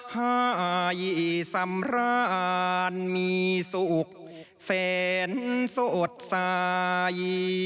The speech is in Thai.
หายสำราญมีสุขแสนโสดสาย